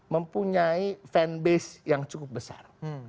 mempunyai fan base yang cukup besar